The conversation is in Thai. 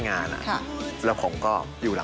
นี่สแตมหักหักหลังเพื่อนหรอครับ